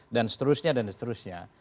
dan seterusnya dan seterusnya